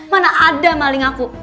mana ada maling aku